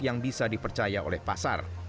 yang bisa dipercaya oleh pasar